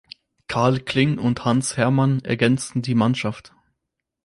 Karl Kling und Hans Herrmann ergänzten die Mannschaft.